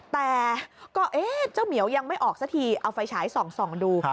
แต่ก็เอ๊ะเจ้าเหมียวยังไม่ออกสักทีเอาไฟฉายส่องดู